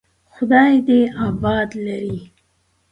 خدای دې آباد لري.